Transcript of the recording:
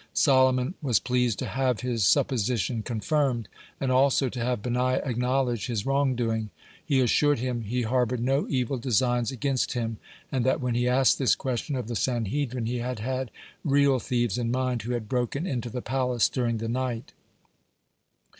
Solomon was pleased to have his supposition confirmed, and also to have Benaiah acknowledge his wrong doing. he assured him he harbored no evil designs against him, and that when he asked this question of the Sanhedrin, he had had real thieves in mind, who had broken into the palace during the night.